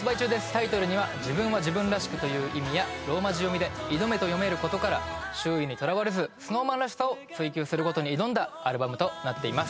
タイトルには自分は自分らしくという意味やローマ字読みで「いどめ」と読めることから周囲にとらわれずＳｎｏｗＭａｎらしさを追求することに挑んだアルバムとなっています